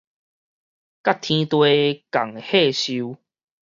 佮天地仝歲壽